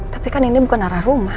tapi kan ini bukan arah rumah